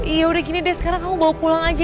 iya udah gini deh sekarang kamu bawa pulang aja